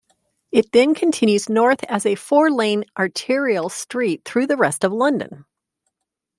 It then continues north as a four-lane arterial street through the rest of London.